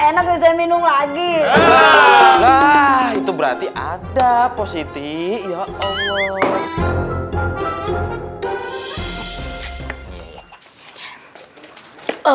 enak minum lagi itu berarti ada positif ya allah